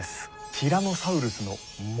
ティラノサウルスの森？